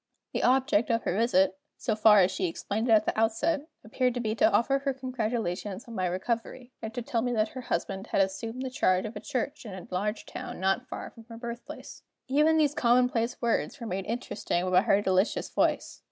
The object of her visit so far as she explained it at the outset appeared to be to offer her congratulations on my recovery, and to tell me that her husband had assumed the charge of a church in a large town not far from her birthplace. Even those commonplace words were made interesting by her delicious voice.